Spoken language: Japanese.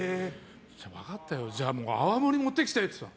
分かったよ、じゃあ泡盛持ってきてって。